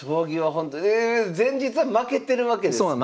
え前日は負けてるわけですもんね？